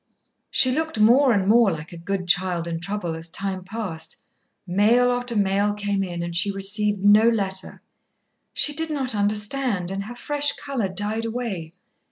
She looked more and more like a good child in trouble as time passed. Mail after mail came in, and she received no letter. She did not understand, and her fresh colour died away.